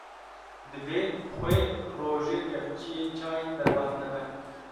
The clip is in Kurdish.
divê xwê rojê kevçiyê çay derbas nebe